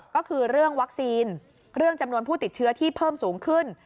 ก็คือเรื่องวัคซีนเรื่องจำนวนผู้ติดเชื้อที่เพิ่มสูงขึ้น